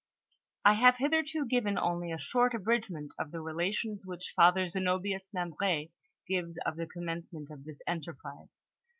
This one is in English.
I have hitherto given only a short abridgment of the Rela tions which Father Zenobius Membr6 gives of the commence ment of this enterprise.